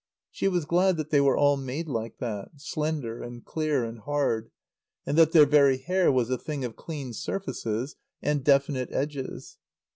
She was glad that they were all made like that; slender and clear and hard, and that their very hair was a thing of clean surfaces and definite edges.